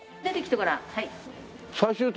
出てきてごらん。